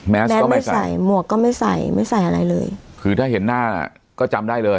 ก็ไม่ใส่หมวกก็ไม่ใส่ไม่ใส่อะไรเลยคือถ้าเห็นหน้าน่ะก็จำได้เลย